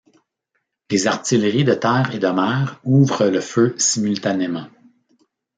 Les artilleries de terre et de mer ouvrent le feu simultanément.